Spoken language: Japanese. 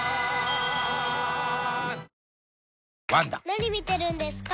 ・何見てるんですか？